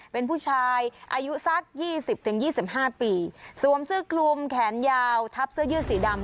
เป็นผู้ชายอายุสักยี่สิบถึงยี่สิบห้าปีสวมเสื้อคลุมแขนยาวทับเสื้อยืดสีดำ